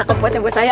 orangnya buat saya